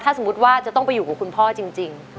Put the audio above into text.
สมมุติว่าจะต้องไปอยู่กับคุณพ่อจริง